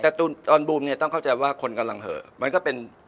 แต่ตอนบูมเนี่ยต้องเข้าใจว่าคนกำลังเหอะมันก็เป็น